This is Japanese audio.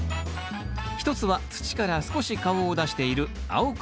一つは土から少し顔を出している青首。